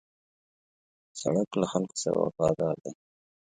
سړک له خلکو سره وفادار دی.